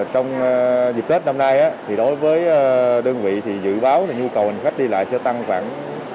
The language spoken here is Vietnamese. trong dịp tết năm nay đối với đơn vị thì dự báo là nhu cầu hành khách đi lại sẽ tăng khoảng ba mươi ba mươi năm